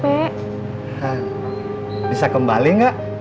hah bisa kembali gak